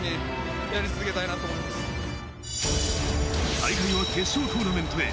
大会は決勝トーナメントへ。